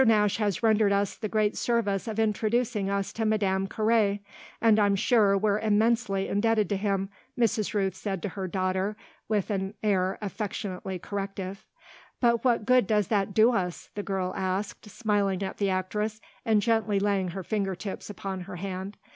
Nash has rendered us the great service of introducing us to Madame Carré, and I'm sure we're immensely indebted to him," Mrs. Rooth said to her daughter with an air affectionately corrective. "But what good does that do us?" the girl asked, smiling at the actress and gently laying her finger tips upon her hand.